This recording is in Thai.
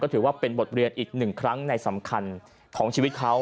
ถือว่าเป็นบทเรียนอีกหนึ่งครั้งในสำคัญของชีวิตเขา